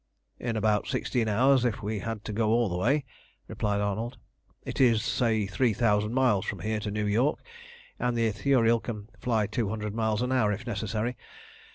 "In about sixteen hours if we had to go all the way," replied Arnold. "It is, say, three thousand miles from here to New York, and the Ithuriel can fly two hundred miles an hour if necessary.